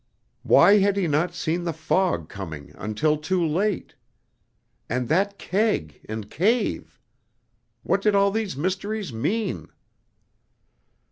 Why had he not seen the fog coming until too late? And that keg and cave! what did all these mysteries mean?